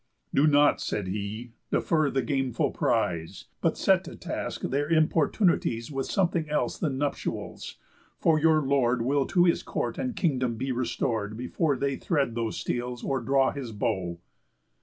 "Do not," said he, "defer the gameful prize, But set to task their importunities With something else than nuptials; for your lord Will to his court and kingdom be restor'd Before they thread those steels, or draw his bow."